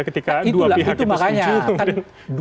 ketika dua pihak itu setuju